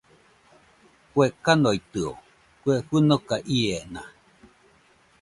¿Kue kanoitɨo, kue fɨnoka iena?